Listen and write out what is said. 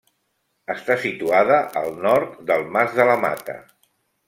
Està situada al nord del Mas de la Mata.